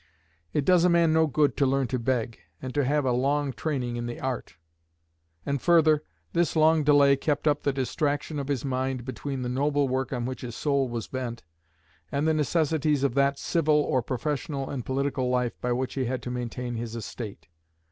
It does a man no good to learn to beg, and to have a long training in the art. And further, this long delay kept up the distraction of his mind between the noble work on which his soul was bent, and the necessities of that "civil" or professional and political life by which he had to maintain his estate.